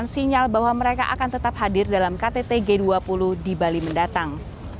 sinyal bahwa mereka akan tetap hadir dalam ktt g dua puluh di bali mendatang